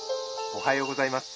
「おはようございます。